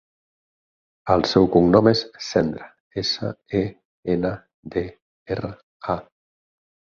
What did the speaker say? El seu cognom és Sendra: essa, e, ena, de, erra, a.